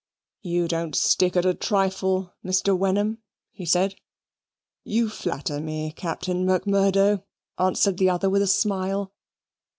"You don't stick at a trifle, Mr. Wenham," he said. "You flatter me, Captain Macmurdo," answered the other with a smile.